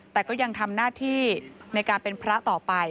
แต่ก็ยังทำหน้าที่ในการเป็นพระต่อไป